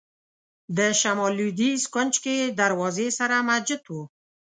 د شمال لوېدیځ کونج کې دروازې سره مسجد و.